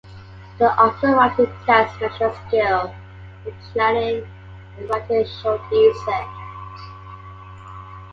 The optional Writing Test measures skill in planning and writing a short essay.